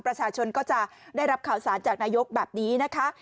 ประชาชนก็จะได้รับข่าวสารจากนายกแบบนี้นะคะ